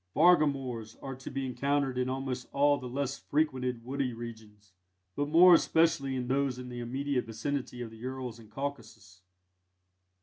Vargamors are to be encountered in almost all the less frequented woody regions, but more especially in those in the immediate vicinity of the Urals and Caucasus.